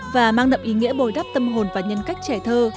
và mang đậm ý nghĩa bồi đắp tâm hồn và nhân cách trẻ thơ